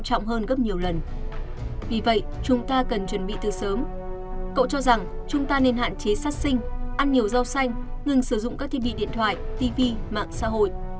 cậu cho rằng chúng ta nên hạn chế sát sinh ăn nhiều rau xanh ngừng sử dụng các thiết bị điện thoại tv mạng xã hội